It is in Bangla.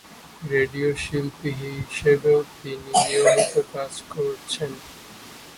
রেডিও শিল্পী হিসাবেও তিনি নিয়মিত কাজ করেছেন।